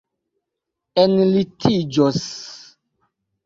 enlitiĝos